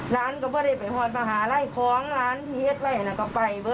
ร้านก็บอกกินไปหอดมาหลายของร้านพี่เฮียดไทยน่ะก็ไปแบบ